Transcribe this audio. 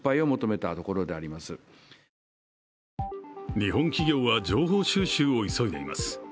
日本企業は情報収集を急いでいます。